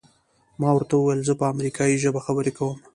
ما ورته وویل زه په امریکایي ژبه خبرې کوم.